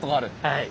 はい。